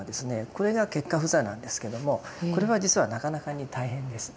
これが結跏趺坐なんですけどもこれは実はなかなかに大変です。